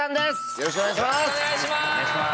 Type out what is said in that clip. よろしくお願いします。